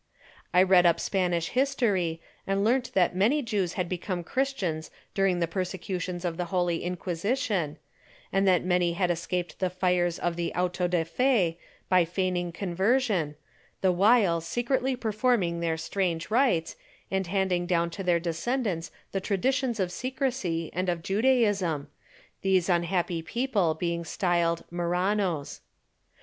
I read up Spanish history and learnt that many Jews had become Christians during the persecutions of the Holy Inquisition, and that many had escaped the fires of the auto da fé by feigning conversion, the while secretly performing their strange rites, and handing down to their descendants the traditions of secrecy and of Judaism, these unhappy people being styled Marranos.